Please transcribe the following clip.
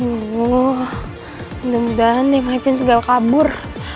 wuh mudah mudahan deh maipin segala kabur